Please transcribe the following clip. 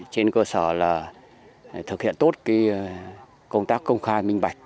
trên cơ sở là thực hiện tốt công tác công khai minh bạch